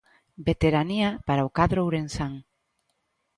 Veteranía para o cadro ourensán.